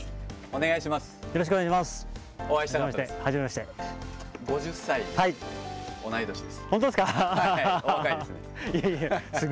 お願いします。